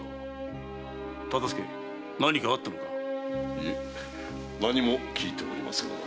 いえ何も聞いてはおりませぬが。